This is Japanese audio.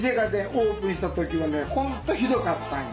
オープンした時はね本当ひどかったんよ。